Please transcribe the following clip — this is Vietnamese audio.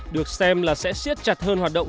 được xem là sẽ siết chặt hơn hoạt động